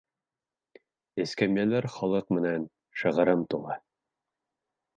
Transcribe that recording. Эскәмйәләр халыҡ менән шығырым тулы.